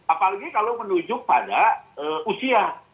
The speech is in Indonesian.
apalagi kalau menuju pada usia